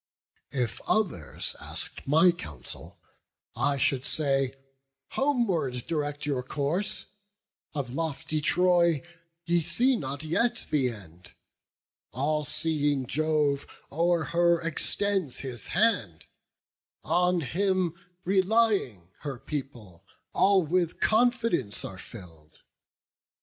If others ask'd my counsel, I should say, 'Homeward direct your course; of lofty Troy Ye see not yet the end; all seeing Jove O'er her extends his hand; on him relying Her people all with confidence are fill'd.